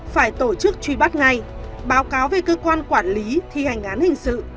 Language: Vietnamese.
phải tổ chức truy bắt ngay báo cáo về cơ quan quản lý thi hành án hình sự